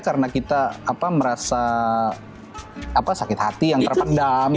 karena kita merasa sakit hati yang terpendam